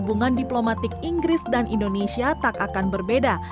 hubungan diplomatik inggris dan indonesia tak akan berbeda